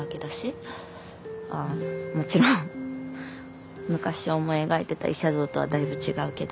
ああもちろん昔思い描いてた医者像とはだいぶ違うけど。